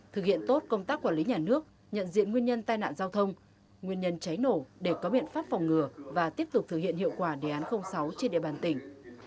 thực hiện tốt công tác quản lý nhà nước nhận diện nguyên nhân tai nạn giao thông nguyên nhân cháy nổ để có biện pháp phòng ngừa và tiếp tục thực hiện hiệu quả đề án sáu trên địa bàn tỉnh